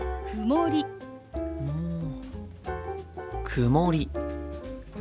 曇り。